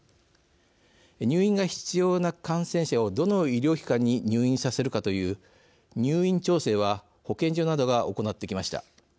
入院が必要な感染者をどの医療機関に入院させるかという入院調整は保健所などが行ってきました。